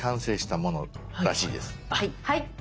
はい。